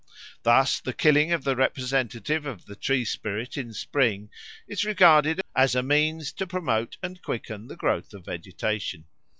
Thus the killing of the representative of the tree spirit in spring is regarded as a means to promote and quicken the growth of vegetation.